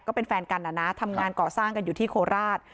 ก็เป็นแฟนกันนะนะทำงานก่อสร้างกันอยู่ที่โคราช